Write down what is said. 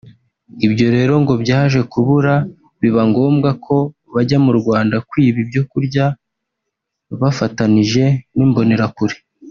ibyo rero ngo byaje kubura bibangombwa ko bajya mu Rwanda kwiba ibyo kurya bafatanije n’imbonerakure